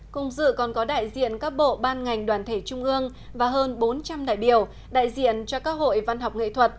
cùng dự còn có đại diện các bộ ban ngành đoàn thể trung ương và hơn bốn trăm linh đại biểu đại diện cho các hội văn học nghệ thuật